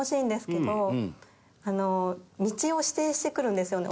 道を指定してくるんですよね